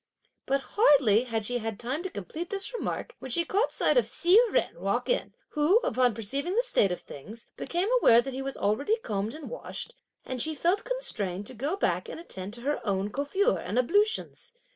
But hardly had she had time to complete this remark, when she caught sight of Hsi Jen walk in, who upon perceiving this state of things, became aware that he was already combed and washed, and she felt constrained to go back and attend to her own coiffure and ablutions.